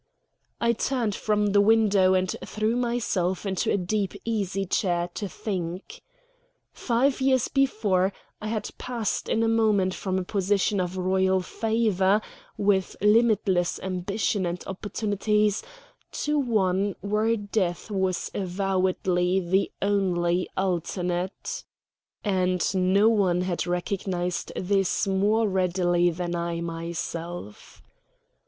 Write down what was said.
I turned from the window and threw myself into a deep easy chair to think. Five years before I had passed in a moment from a position of Royal favor, with limitless ambition and opportunities, to one where death was avowedly the only alternate. And no one had recognized this more readily than I myself.